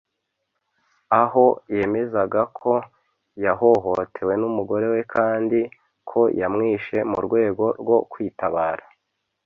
aho yemezaga ko yahohotewe n’umugore we kandi ko yamwishe mu rwego rwo kwitabara